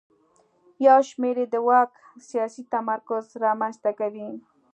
یو شمېر یې د واک سیاسي تمرکز رامنځته کوي.